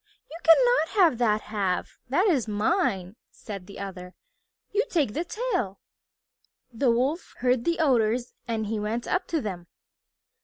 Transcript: "You cannot have that half. That is mine," said the other. "You take the tail." The Wolf heard the Otters and he went up to them.